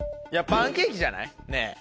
パンケーキじゃない？ねぇ。